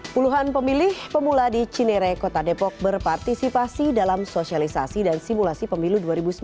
puluhan pemilih pemula di cinere kota depok berpartisipasi dalam sosialisasi dan simulasi pemilu dua ribu sembilan belas